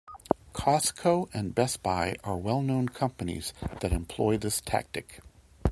Costco and Best Buy are well-known companies that employ this tactic.